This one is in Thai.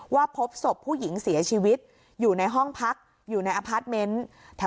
พบศพผู้หญิงเสียชีวิตอยู่ในห้องพักอยู่ในอพาร์ทเมนต์